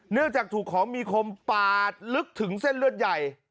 จากถูกของมีคมปาดลึกถึงเส้นเลือดใหญ่